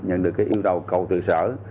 nhận được cái yêu cầu từ sở